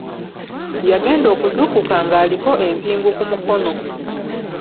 Yagenda okuzuukuka ng'aliko empingu ku mukono.